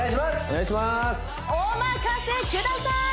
お任せください